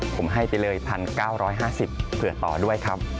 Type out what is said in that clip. ผมให้ไปเลย๑๙๕๐เผื่อต่อด้วยครับ